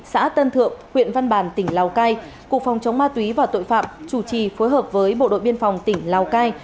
xã tân thượng huyện văn bàn tỉnh lào cai cục phòng chống ma túy và tội phạm chủ trì phối hợp với bộ đội biên phòng tỉnh lào cai